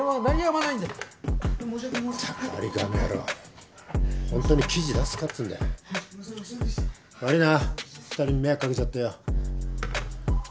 悪いな２人に迷惑かけちゃってよ。